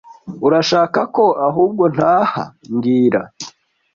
Urashaka ko ahubwo ntaha mbwira